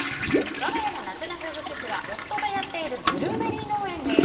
わが家の夏の風物詩は夫がやっているブルーベリー農園です。